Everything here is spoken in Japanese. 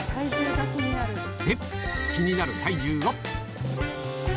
で、気になる体重は。